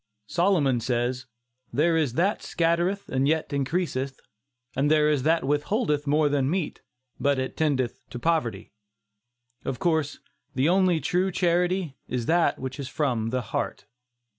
Solomon says: "There is that scattereth and yet increaseth; and there is that withholdeth more than meet, but it tendeth to poverty." Of course the only true charity is that which is from the heart.